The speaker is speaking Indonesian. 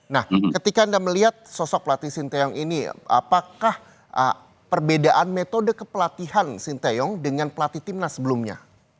nah ketika anda melihat sosok pelatih sinteyong ini apakah perbedaan metode kepelatihan sinteyong dengan pelatih timnas sebelumnya